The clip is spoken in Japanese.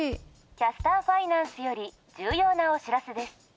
キャスターファイナンスより重要なお知らせです。